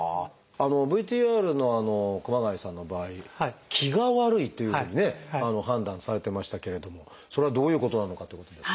ＶＴＲの熊谷さんの場合「気が悪い」というふうに判断されてましたけれどもそれはどういうことなのかってことですが。